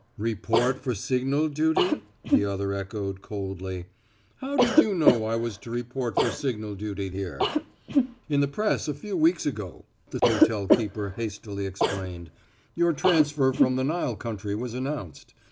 "Report for signal duty?" the other echoed coldly. "How did you know I was to report for signal duty here?" "In the press a few weeks ago," the hotel keeper hastily explained. "Your transfer from the Nile country was announced.